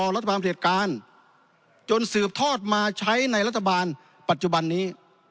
รัฐบาลเหตุการณ์จนสืบทอดมาใช้ในรัฐบาลปัจจุบันนี้